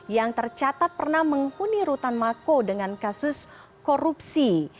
yang tercatat pernah menghuni rutan mako dengan kasus korupsi